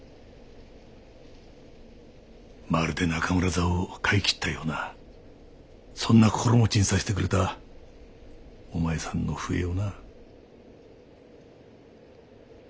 まるで中村座を買い切ったようなそんな心持ちにさせてくれたお前さんの笛をな。